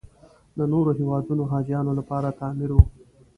د نورو هېوادونو حاجیانو لپاره تعمیر و.